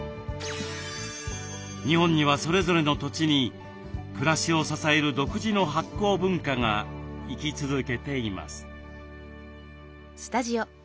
日本にはそれぞれの土地に暮らしを支える独自の発酵文化が生き続けています。